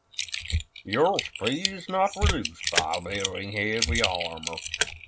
Your speed is not reduced by wearing heavy armor.